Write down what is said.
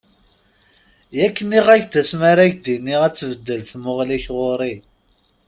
Yak nniɣ-ak-d asma ara ak-d-iniɣ ad tbeddel tmuɣli-k ɣur-i.